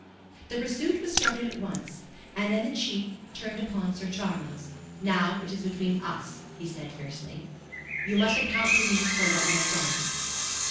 The pursuit was started at once, and then the Chief turned upon Sir Charles. "Now it is between us," he said, fiercely. "You must account to me for what you have done."